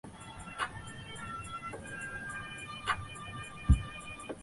定义细胞身份的基因表达模式是通过细胞分裂遗传的。